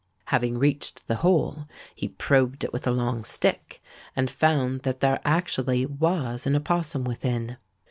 Having reached the hole, he probed it with a long stick, and found that there actually was an opossum within.